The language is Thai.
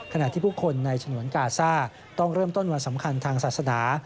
ขณะที่ผู้คนในฉนวนกาซ่าต้องเริ่มต้นวันสำคัญทางศาสนา